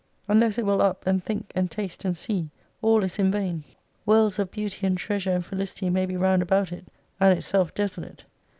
Unless it will up and think and taste and see, all is in vain. Worlds of beauty and treasure and felicity may be round about it, and itself desolate.